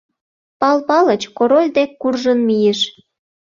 Пал Палыч Король дек куржын мийыш.